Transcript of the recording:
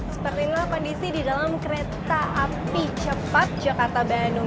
seperti inilah kondisi di dalam kereta api cepat jakarta bandung